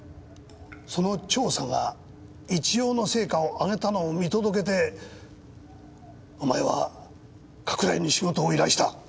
その調査が一応の成果を上げたのを見届けてお前は加倉井に仕事を依頼した。